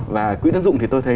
và quỹ tiến dụng thì tôi thấy